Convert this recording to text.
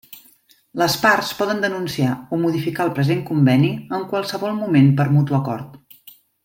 Les parts poden denunciar o modificar el present conveni en qualsevol moment per mutu acord.